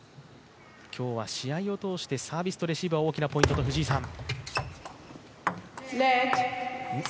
今日は試合を通してサービスとレシーブが大きなポイントと藤井さん。